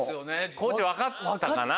地分かったかな。